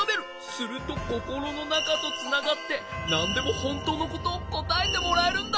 するとココロのなかとつながってなんでもほんとうのことをこたえてもらえるんだ。